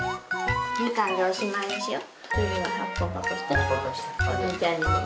みかんでおしまいにしよう。